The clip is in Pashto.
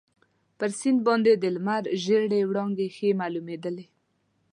پر سیند باندي د لمر ژېړې وړانګې ښې معلومیدلې.